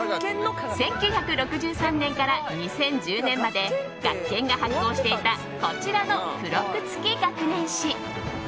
１９６３年から２０１０年まで学研が発行していたこちらの付録付き学年誌。